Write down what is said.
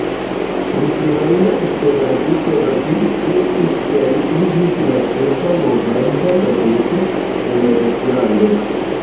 Ruslanda Esperantisto rapide kreskis kaj iĝis la ĉefa movada gazeto en Ruslando.